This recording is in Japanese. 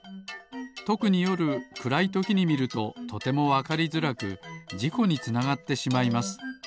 とくによるくらいときにみるととてもわかりづらくじこにつながってしまいます。